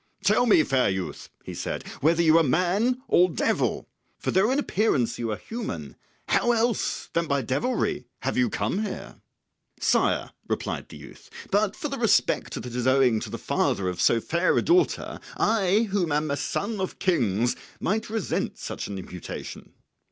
"Tell me, fair youth," he said, "whether you are man or devil, for though in appearance you are human, how else than by devilry have you come here?" "Sire," replied the youth, "but for the respect that is owing to the father of so fair a daughter, I, whom am a son of kings, might resent such an imputation.